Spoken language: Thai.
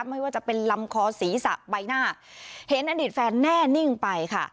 ไม่ว่าจะเป็นลำคอศีรษะใบหน้าเห็นอดีตแฟนแน่นิ่งไปค่ะ